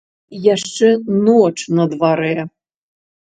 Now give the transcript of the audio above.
Яшчэ ноч на дварэ.